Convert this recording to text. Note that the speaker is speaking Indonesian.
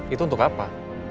itu untuk apa